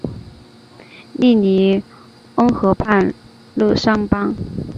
利尼翁河畔勒尚邦。